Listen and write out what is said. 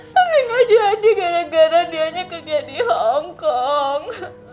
tapi nggak jadi gara gara dia hanya kerja di hongkong